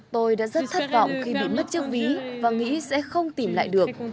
tôi đã rất thất vọng khi bị mất chiếc ví và nghĩ sẽ không tìm lại được